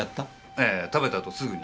ええ食べたあとすぐに。